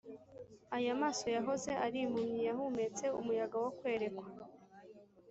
aya maso yahoze ari impumyi yahumetse umuyaga wo kwerekwa,